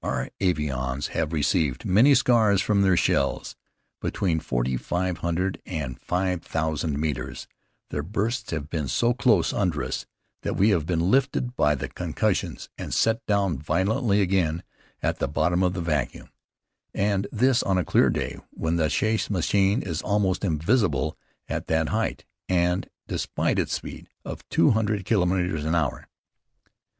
Our avions have received many scars from their shells. Between forty five hundred and five thousand metres, their bursts have been so close under us that we have been lifted by the concussions and set down violently again at the bottom of the vacuum; and this on a clear day when a chasse machine is almost invisible at that height, and despite its speed of two hundred kilometres an hour.